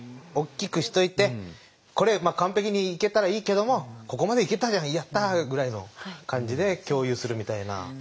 大きくしておいてこれ完璧に行けたらいいけどもここまで行けたじゃんやった！ぐらいの感じで共有するみたいな。